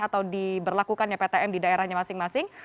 atau diberlakukannya ptm di daerahnya masing masing